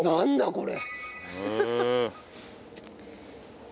これ。